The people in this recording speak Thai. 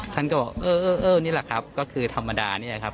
ท่านก็บอกเออนี่แหละครับก็คือธรรมดานี่แหละครับ